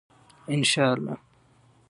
ان شاء الله.